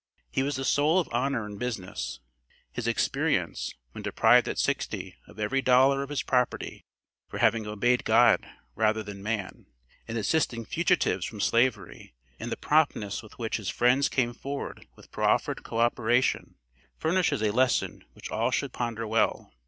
He was the soul of honor in business. His experience, when deprived at sixty, of every dollar of his property for having obeyed God rather than man, in assisting fugitives from Slavery, and the promptness with which his friends came forward with proffered co operation, furnishes a lesson which all should ponder well.